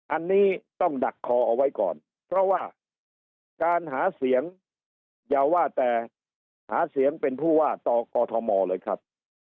อันนี้ต้องดักคอเอาไว้ก่อนเพราะว่าการหาเสียงอย่าว่าแต่หาเสียงเป็นผู้ว่าต่อกอทมเลยครับ